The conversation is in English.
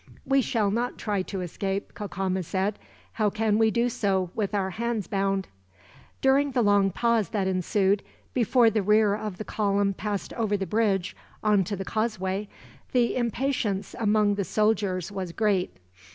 "We shall not try to escape," Cacama said. "How can we do so, with our hands bound?" During the long pause that ensued, before the rear of the column passed over the bridge on to the causeway, the impatience among the soldiers was great.